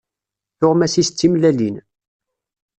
Tuɣmas-is d timellalin.